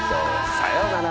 さよなら。